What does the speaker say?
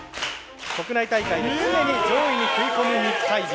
国内大会で常に上位に食い込む肉体美。